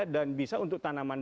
dan bisa untuk tanaman